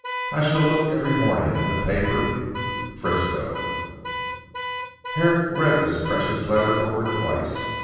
I shall look every morning in the paper. FRISCO." Herrick read this precious letter over twice.